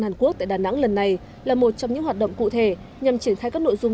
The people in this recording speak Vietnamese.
hàn quốc tại đà nẵng lần này là một trong những hoạt động cụ thể nhằm triển khai các nội dung